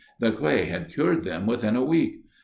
The clay had cured them within a week.